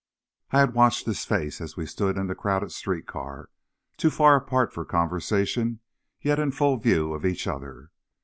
I had watched his face, as we stood in the crowded street car, too far apart for conversation, yet in full view of each other.